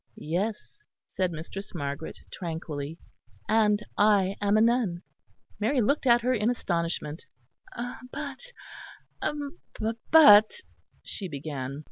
"Yes," said Mistress Margaret, tranquilly, "and I am a nun." Mary looked at her in astonishment. "But, but," she began.